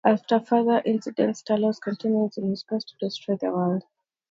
After further incidents, Talos continues in his quest to destroy the world.